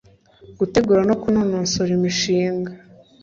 Gutegura no kunonosora imishinga;